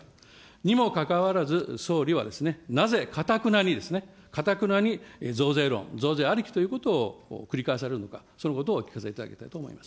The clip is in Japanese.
にもかかわらず、総理はなぜかたくなに、かたくなに増税論、増税ありきということを繰り返されるのか、そのことをお聞かせいただきたいと思います。